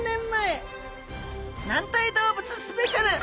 軟体動物スペシャル！